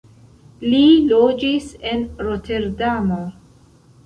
Li loĝis en Roterdamo.